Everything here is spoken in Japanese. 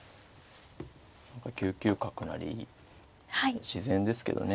何か９九角成自然ですけどね。